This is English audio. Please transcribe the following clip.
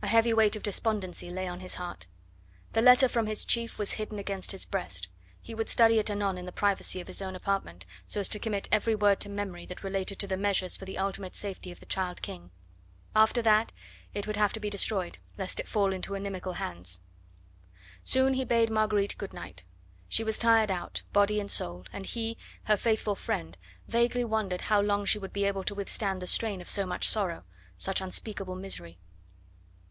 A heavy weight of despondency lay on his heart. The letter from his chief was hidden against his breast; he would study it anon in the privacy of his own apartment so as to commit every word to memory that related to the measures for the ultimate safety of the child King. After that it would have to be destroyed, lest it fell into inimical hands. Soon he bade Marguerite good night. She was tired out, body and soul, and he her faithful friend vaguely wondered how long she would be able to withstand the strain of so much sorrow, such unspeakable misery.